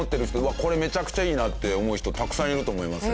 これめちゃくちゃいいなって思う人たくさんいると思いますね。